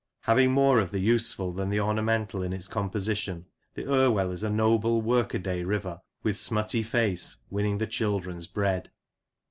Having more of the useful than the ornamental in its composition, the Irwell is a noble work a day river, with smutty face, winning the children's bread.